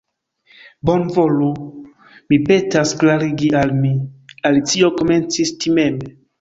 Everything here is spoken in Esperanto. "Bonvolu, mi petas, klarigi al mi," Alicio komencis timeme.